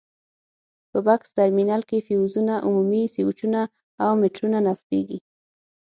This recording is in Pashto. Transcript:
په بکس ترمینل کې فیوزونه، عمومي سویچونه او میټرونه نصبېږي.